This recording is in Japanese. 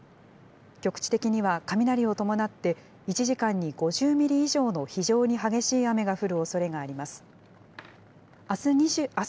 局地的には雷を伴って、１時間に５０ミリ以上の非常に激しい雨が降るおそれがあります。